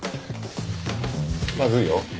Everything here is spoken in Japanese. まずいよ。